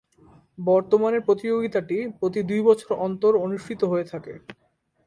বর্তমানে প্রতিযোগিতাটি প্রতি দুই বছর অন্তর অনুষ্ঠিত হয়ে থাকে।